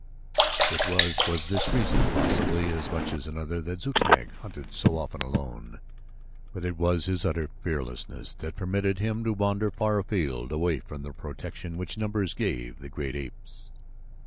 It was for this reason, possibly, as much as another that Zu tag hunted so often alone; but it was his utter fearlessness that permitted him to wander far afield away from the protection which numbers gave the great apes.